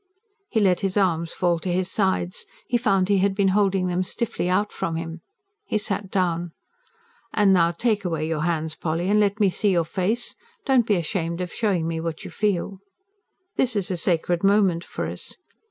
He let his arms fall to his sides; he found he had been holding them stiffly out from him. He sat down. "And now take away your hands, Polly, and let me see your face. Don't be ashamed of showing me what you feel. This is a sacred moment for us.